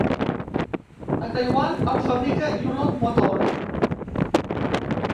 A Taiwan el fabrica Yulon Motor.